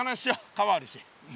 川あるし。